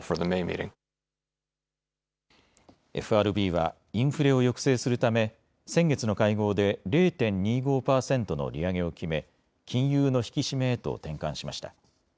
ＦＲＢはインフレを抑制するため先月の会合で０．２５％の利上げを決め金融の引き締めへと転換しました。